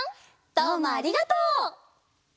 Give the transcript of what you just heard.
どうもありがとう！